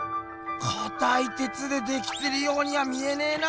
かたい鉄でできてるようには見えねぇな。